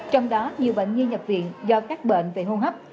trong đó nhiều bệnh nhi nhập viện do các bệnh về hô hấp